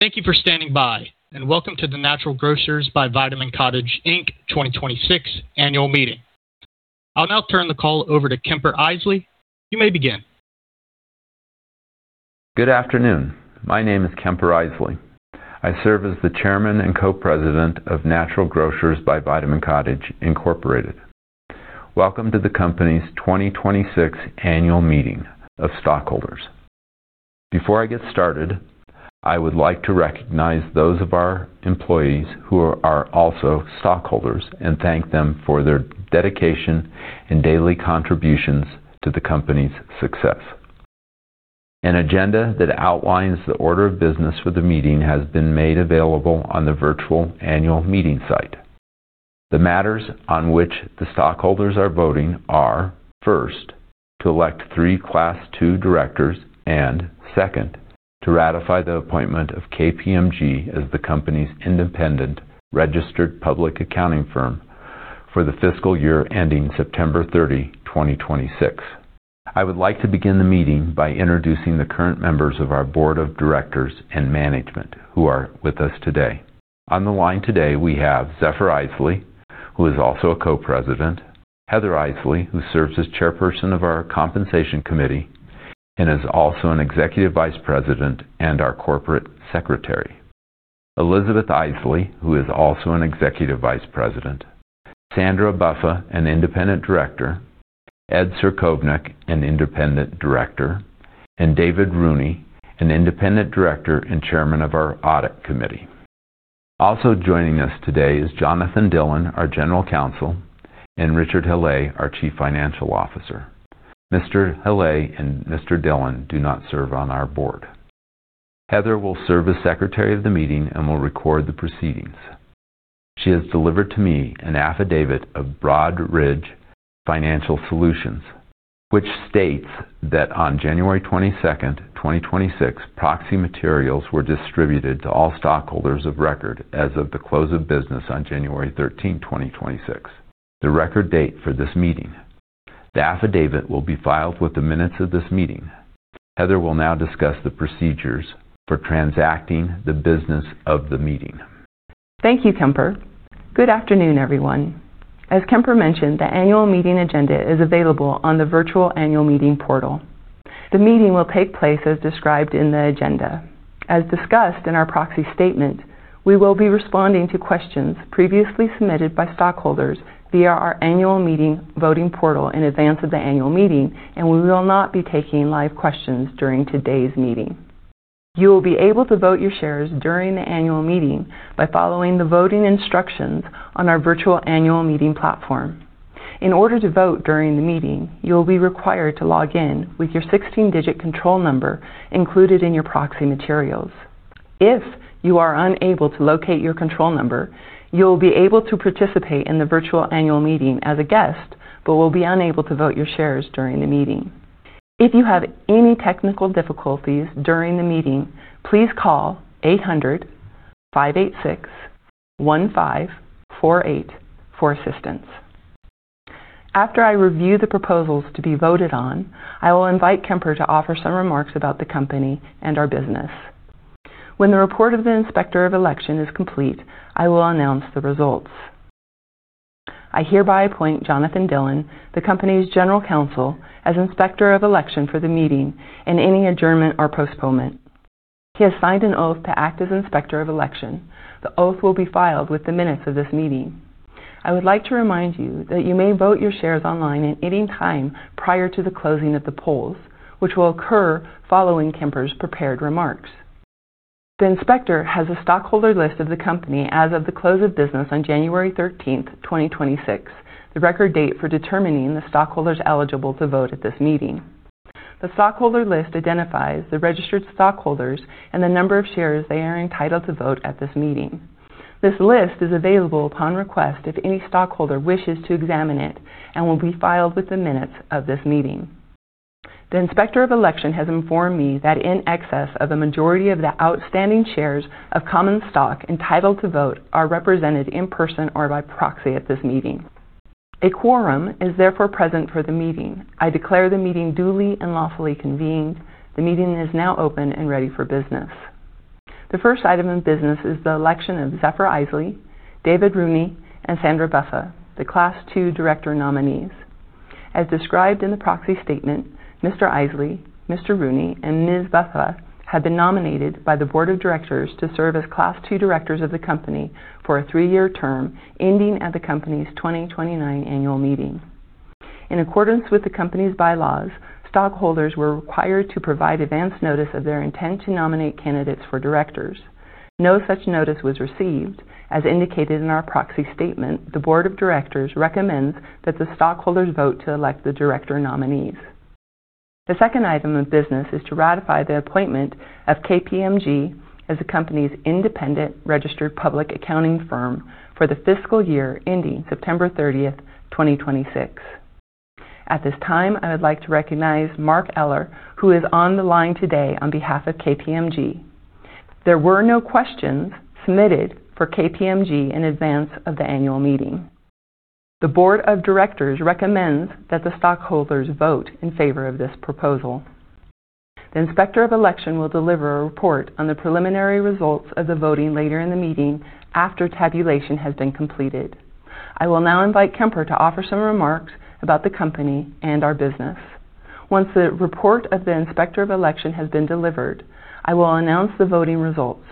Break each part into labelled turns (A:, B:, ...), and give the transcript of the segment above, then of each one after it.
A: Thank you for standing by and welcome to the Natural Grocers by Vitamin Cottage Inc. 2026 Annual Meeting. I'll now turn the call over to Kemper Isely. You may begin.
B: Good afternoon. My name is Kemper Isely. I serve as the Chairman and Co-President of Natural Grocers by Vitamin Cottage, Incorporated. Welcome to the company's 2026 Annual Meeting of Stockholders. Before I get started, I would like to recognize those of our employees who are also stockholders and thank them for their dedication and daily contributions to the company's success. An agenda that outlines the order of business for the meeting has been made available on the virtual annual meeting site. The matters on which the stockholders are voting are, first, to elect 3 Class II directors, and second, to ratify the appointment of KPMG as the company's independent registered public accounting firm for the fiscal year ending September 30, 2026. I would like to begin the meeting by introducing the current members of our board of directors and management who are with us today. On the line today, we have Zephyr Isely, who is also a Co-President. Heather Isely, who serves as Chairperson of our Compensation Committee and is also an Executive Vice President and our Corporate Secretary. Elizabeth Isely, who is also an Executive Vice President. Sandra Buffa, an Independent Director. Ed Cerkovnik, an Independent Director. And David Rooney, an Independent Director and Chairman of our Audit Committee. Also joining us today is Jonathan Dillon, our General Counsel, and Richard Hallé, our Chief Financial Officer. Mr. Hallé and Mr. Dillon do not serve on our board. Heather will serve as Secretary of the meeting and will record the proceedings. She has delivered to me an affidavit of Broadridge Financial Solutions, which states that on January 22nd, 2026, proxy materials were distributed to all stockholders of record as of the close of business on January 13, 2026, the record date for this meeting. The affidavit will be filed with the minutes of this meeting. Heather will now discuss the procedures for transacting the business of the meeting.
A: Thank you, Kemper. Good afternoon, everyone. As Kemper mentioned, the annual meeting agenda is available on the virtual annual meeting portal. The meeting will take place as described in the agenda. As discussed in our proxy statement, we will be responding to questions previously submitted by stockholders via our annual meeting voting portal in advance of the annual meeting, and we will not be taking live questions during today's meeting. You will be able to vote your shares during the annual meeting by following the voting instructions on our virtual annual meeting platform. In order to vote during the meeting, you will be required to log in with your 16-digit control number included in your proxy materials. If you are unable to locate your control number, you will be able to participate in the virtual annual meeting as a guest, but will be unable to vote your shares during the meeting. If you have any technical difficulties during the meeting, please call 800-586-1548 for assistance. After I review the proposals to be voted on, I will invite Kemper to offer some remarks about the company and our business. When the report of the Inspector of Election is complete, I will announce the results. I hereby appoint Jonathan Dillon, the company's General Counsel, as Inspector of Election for the meeting in any adjournment or postponement. He has signed an oath to act as Inspector of Election. The oath will be filed with the minutes of this meeting. I would like to remind you that you may vote your shares online at any time prior to the closing of the polls, which will occur following Kemper's prepared remarks. The Inspector has a stockholder list of the company as of the close of business on January 13th, 2026, the record date for determining the stockholders eligible to vote at this meeting. The stockholder list identifies the registered stockholders and the number of shares they are entitled to vote at this meeting. This list is available upon request if any stockholder wishes to examine it and will be filed with the minutes of this meeting. The Inspector of Election has informed me that in excess of the majority of the outstanding shares of common stock entitled to vote are represented in person or by proxy at this meeting. A quorum is therefore present for the meeting. I declare the meeting duly and lawfully convened. The meeting is now open and ready for business. The first item of business is the election of Zephyr Isely, David Rooney, and Sandra Buffa, the Class II director nominees. As described in the proxy statement, Mr. Isely, Mr. Rooney and Ms. Buffa have been nominated by the Board of Directors to serve as Class II director of the company for a three-year term ending at the company's 2029 annual meeting. In accordance with the company's bylaws, stockholders were required to provide advance notice of their intent to nominate candidates for directors. No such notice was received. As indicated in our proxy statement, the Board of Directors recommends that the stockholders vote to elect the director nominees. The second item of business is to ratify the appointment of KPMG as the company's independent registered public accounting firm for the fiscal year ending September 30th, 2026. At this time, I would like to recognize Mark Eller, who is on the line today on behalf of KPMG. There were no questions submitted for KPMG in advance of the annual meeting. The board of directors recommends that the stockholders vote in favor of this proposal. The Inspector of Election will deliver a report on the preliminary results of the voting later in the meeting after tabulation has been completed. I will now invite Kemper to offer some remarks about the company and our business. Once the report of the Inspector of Election has been delivered, I will announce the voting results.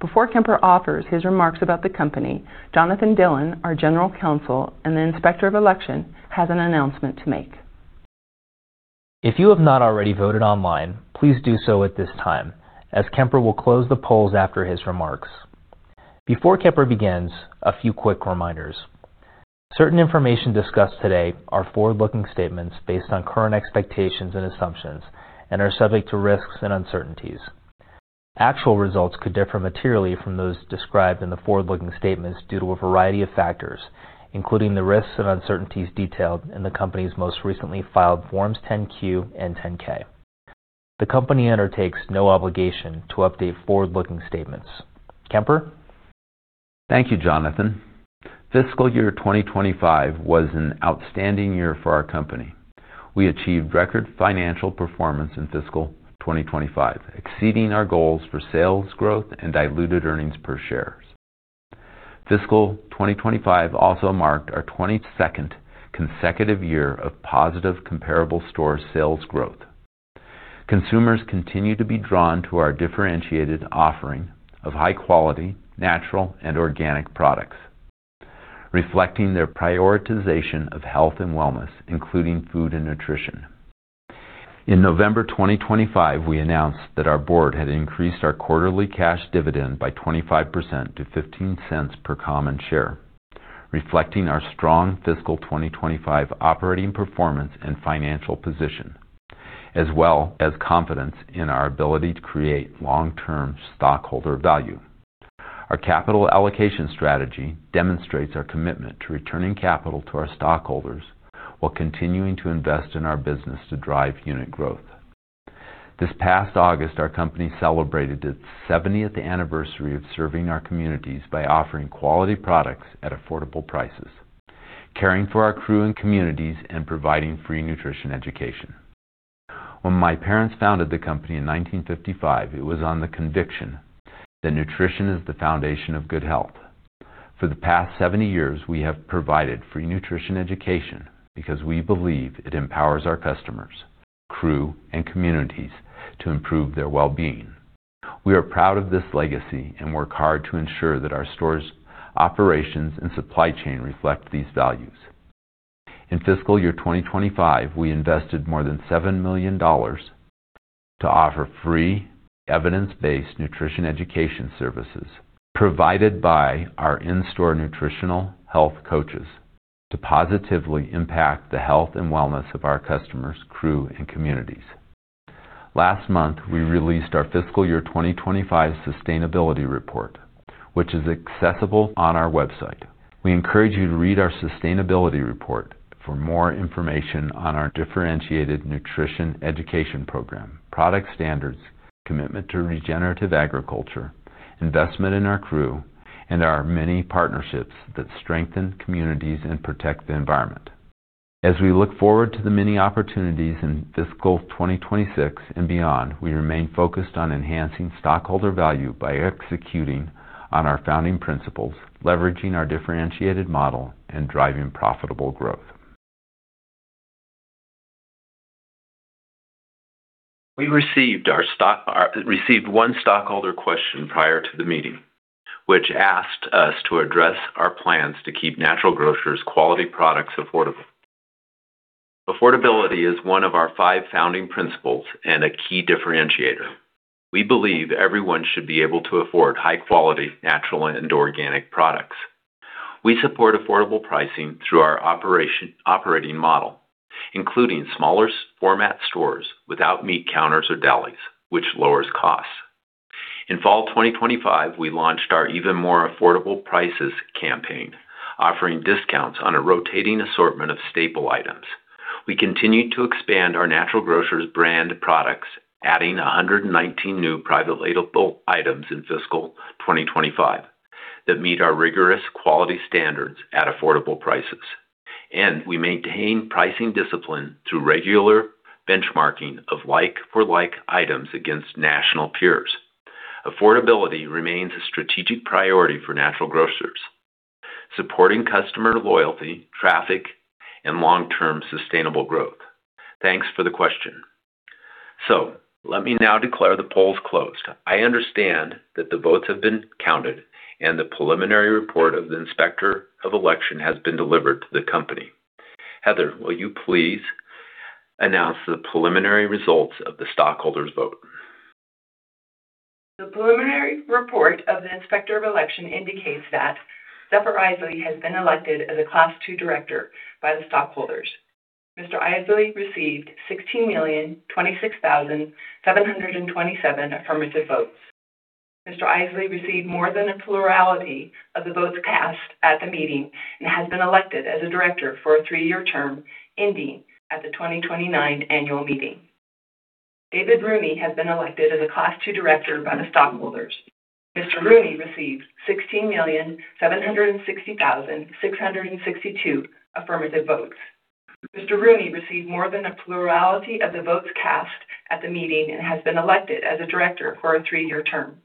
A: Before Kemper offers his remarks about the company, Jonathan Dillon, our General Counsel, and the Inspector of Election, has an announcement to make.
C: If you have not already voted online, please do so at this time, as Kemper will close the polls after his remarks. Before Kemper begins, a few quick reminders. Certain information discussed today are forward-looking statements based on current expectations and assumptions and are subject to risks and uncertainties. Actual results could differ materially from those described in the forward-looking statements due to a variety of factors, including the risks and uncertainties detailed in the company's most recently filed Form 10-Q and Form 10-K. The company undertakes no obligation to update forward-looking statements. Kemper.
B: Thank you, Jonathan. Fiscal year 2025 was an outstanding year for our company. We achieved record financial performance in fiscal 2025, exceeding our goals for sales growth and diluted earnings per share. Fiscal 2025 also marked our 22nd consecutive year of positive comparable store sales growth. Consumers continue to be drawn to our differentiated offering of high quality, natural and organic products, reflecting their prioritization of health and wellness, including food and nutrition. In November 2025, we announced that our board had increased our quarterly cash dividend by 25% to $0.15 per common share, reflecting our strong fiscal 2025 operating performance and financial position, as well as confidence in our ability to create long-term stockholder value. Our capital allocation strategy demonstrates our commitment to returning capital to our stockholders while continuing to invest in our business to drive unit growth. This past August, our company celebrated its 70th anniversary of serving our communities by offering quality products at affordable prices, caring for our crew and communities, and providing free nutrition education. When my parents founded the company in 1955, it was on the conviction that nutrition is the foundation of good health. For the past 70 years, we have provided free nutrition education because we believe it empowers our customers, crew, and communities to improve their well-being. We are proud of this legacy and work hard to ensure that our store's operations and supply chain reflect these values. In fiscal year 2025, we invested more than $7 million to offer free evidence-based nutrition education services provided by our in-store nutritional health coaches to positively impact the health and wellness of our customers, crew, and communities. Last month, we released our fiscal year 2025 sustainability report, which is accessible on our website. We encourage you to read our sustainability report for more information on our differentiated nutrition education program, product standards, commitment to regenerative agriculture, investment in our crew, and our many partnerships that strengthen communities and protect the environment. As we look forward to the many opportunities in fiscal 2026 and beyond, we remain focused on enhancing stockholder value by executing on our founding principles, leveraging our differentiated model, and driving profitable growth. We received one stockholder question prior to the meeting, which asked us to address our plans to keep Natural Grocers quality products affordable. Affordability is one of our five founding principles and a key differentiator. We believe everyone should be able to afford high quality, natural, and organic products. We support affordable pricing through our operating model, including smaller-store format without meat counters or delis, which lowers costs. In fall 2025, we launched our Even More Affordable Prices! campaign, offering discounts on a rotating assortment of staple items. We continued to expand our Natural Grocers Brand products, adding 119 new private label items in fiscal 2025 that meet our rigorous quality standards at affordable prices. We maintain pricing discipline through regular benchmarking of like for like items against national peers. Affordability remains a strategic priority for Natural Grocers, supporting customer loyalty, traffic, and long-term sustainable growth. Thanks for the question. Let me now declare the polls closed. I understand that the votes have been counted and the preliminary report of the Inspector of Election has been delivered to the company. Heather, will you please announce the preliminary results of the stockholders' vote?
C: The preliminary report of the Inspector of Election indicates that Zephyr Isely has been elected as a Class II director by the stockholders. Mr. Isely received 16,026,727 affirmative votes. Mr. Isely received more than a plurality of the votes cast at the meeting and has been elected as a director for a three-year term ending at the 2029 annual meeting. David Rooney has been elected as a Class II director by the stockholders. Mr. Rooney received 16,760,662 affirmative votes. Mr. Rooney received more than a plurality of the votes cast at the meeting and has been elected as a director for a three-year term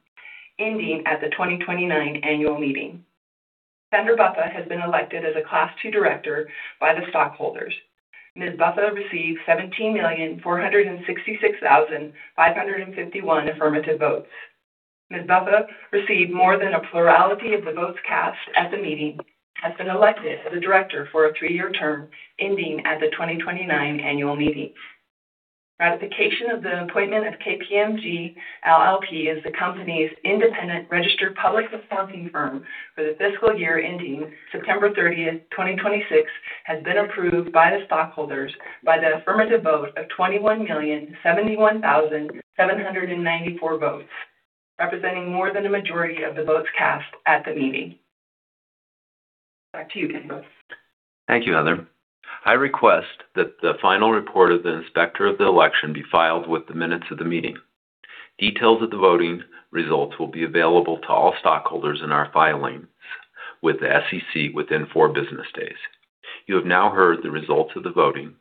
C: ending at the 2029 annual meeting. Sandra Buffa has been elected as a Class II director by the stockholders. Ms. Buffa received 17,466,551 affirmative votes. Ms. Buffa received more than a plurality of the votes cast at the meeting, has been elected as a director for a three-year term ending at the 2029 annual meeting. Ratification of the appointment of KPMG LLP as the company's independent registered public accounting firm for the fiscal year ending September 30, 2026, has been approved by the stockholders by the affirmative vote of 21,071,794 votes, representing more than a majority of the votes cast at the meeting. Back to you, Kemper Isely.
B: Thank you, Heather. I request that the final report of the Inspector of the Election be filed with the minutes of the meeting. Details of the voting results will be available to all stockholders in our filings with the SEC within four business days. You have now heard the results of the voting,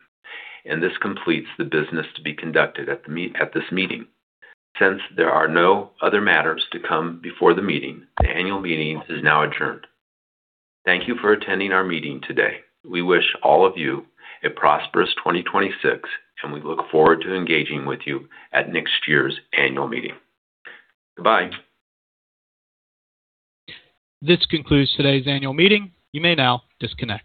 B: and this completes the business to be conducted at this meeting. Since there are no other matters to come before the meeting, the annual meeting is now adjourned. Thank you for attending our meeting today. We wish all of you a prosperous 2026, and we look forward to engaging with you at next year's annual meeting. Goodbye. This concludes today's annual meeting. You may now disconnect.